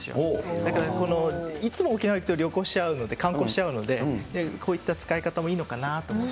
だからいつも沖縄行くと旅行しちゃうので、観光しちゃうので、こういった使い方もいいのかなと。